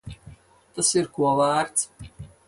Tas ir ko vērts.